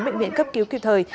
bệnh viện cấp cứu cứu thời